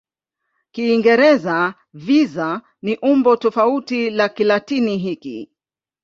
Kiingereza "visa" ni umbo tofauti la Kilatini hiki.